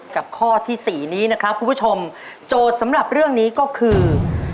ข้อที่สี่นี้นะครับคุณผู้ชมโจทย์สำหรับเรื่องนี้ก็คือ